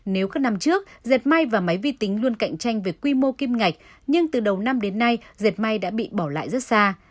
nếu các năm trước dệt may và máy vi tính luôn cạnh tranh về quy mô kim ngạch nhưng từ đầu năm đến nay dệt may đã bị bỏ lại rất xa